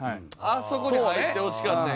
あそこに入ってほしかった。